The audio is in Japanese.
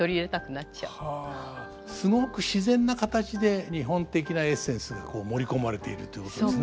すごく自然な形で日本的なエッセンスがこう盛り込まれているということですね。